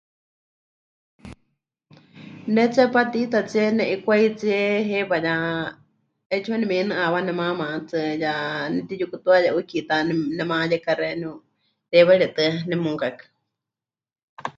Ne tseepá tiitatsie, ne'ikwaitsie heiwa, ya 'eetsiwa nemeinɨ'awá nemaama hetsɨa, ya nemɨtiyukutuaya 'uuwa kiitá nema... nemayeka xeenɨ́u teiwaritɨa nemukakɨ.